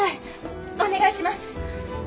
お願いします！